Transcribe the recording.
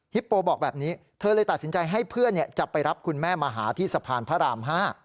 โปบอกแบบนี้เธอเลยตัดสินใจให้เพื่อนจะไปรับคุณแม่มาหาที่สะพานพระราม๕